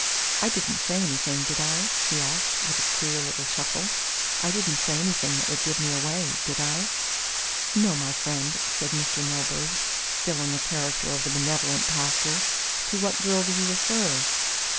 "I didn't say anything, did I?" he asked with a queer little chuckle. "I didn't say anything that would give me away, did I?" "No, my friend," said Mr. Milburgh, still in the character of the benevolent pastor. "To what girl do you refer?"